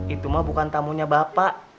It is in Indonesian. itu mah bukan tamunya bapak